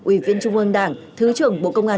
ủy viên trung ương đảng thứ trưởng